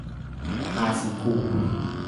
ภาษีกู